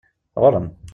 Ɣur-em!